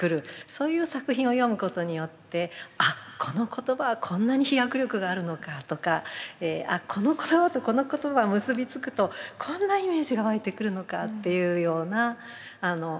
そういう作品を読むことによって「あっこの言葉はこんなに飛躍力があるのか」とか「この言葉とこの言葉は結び付くとこんなイメージが湧いてくるのか」っていうような。